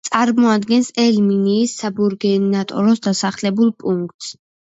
წარმოადგენს ელ-მინიის საგუბერნატოროს დასახლებულ პუნქტს.